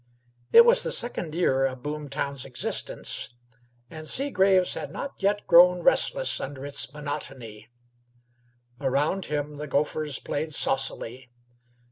It was the second year of Boomtown's existence, and Seagraves had not yet grown restless under its monotony. Around him the gophers played saucily.